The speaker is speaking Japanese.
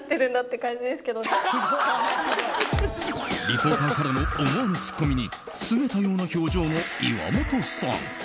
リポーターからの思わぬツッコミにすねたような表情の岩本さん。